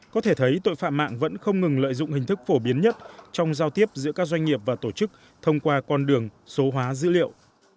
có thể thấy tội phạm mạng vẫn không ngừng lợi dụng hình thức phổ biến nhất trong giao tiếp giữa các doanh nghiệp và tổ chức thông qua con đường số hóa dữ liệu